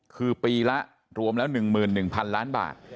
คือปีละรวมแล้ว๑๑๐๐๐ล้านบาท